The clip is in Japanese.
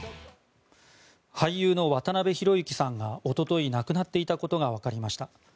俳優の渡辺裕之さんが一昨日亡くなっていたことが分かりました。